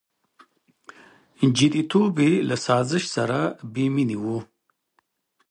• جديتوب یې له سازش سره بېمینه و.